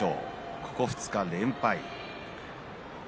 ここ２日連敗。